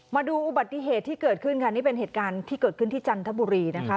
มาดูอุบัติเหตุที่เกิดขึ้นค่ะนี่เป็นเหตุการณ์ที่เกิดขึ้นที่จันทบุรีนะคะ